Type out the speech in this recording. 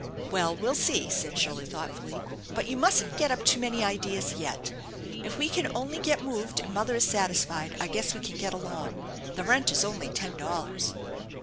"Well, we'll see," said Shirley thoughtfully, but you mustn't get up toe many ideas yet. If we can only get moved and mother is satisfied, I guess we can get along. The rent is only ten dollars."